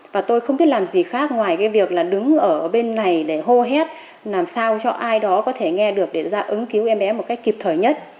và tôi không biết làm gì khác ngoài cái việc là đứng ở bên này để hô hét làm sao cho ai đó có thể nghe được để ra ứng cứu em bé một cách kịp thời nhất